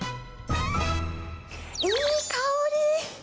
いい香り。